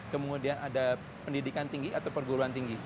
kemudian ada pendidikan tinggi atau perguruan tinggi